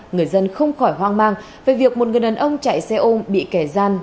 người dân không khỏi hoang mang về việc một người đàn ông chạy xe ôm bị kẻ gian